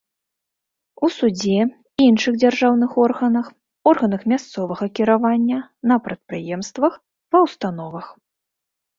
У судзе, іншых дзяржаўных органах, органах мясцовага кіравання, на прадпрыемствах, ва ўстановах.